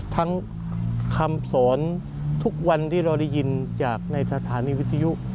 คำสอนทุกวันที่เราได้ยินจากในสถานีวิทยุ